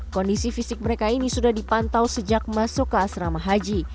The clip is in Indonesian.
kondisi fisik mereka ini sudah dipantau sejak masuk ke asrama haji